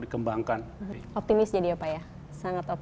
dikembangkan optimis jadi apa ya sangat